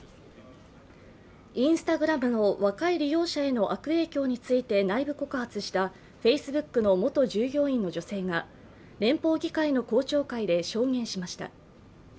Ｉｎｓｔａｇｒａｍの若い利用者への悪影響について内部告発したＦａｃｅｂｏｏｋの元従業員の女性が連邦議会の公聴会で証言しました。